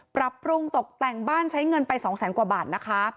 ปรับปรุงตกแต่งบ้านใช้เงินไปสองแสนกว่าบาทนะคะ